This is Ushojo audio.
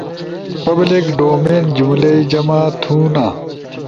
پبلک ڈومین، جملئی جمع تھونا